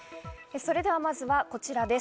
それでは、まずはこちらです。